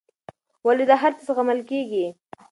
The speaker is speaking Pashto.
ولې دا هرڅه زغمل کېږي.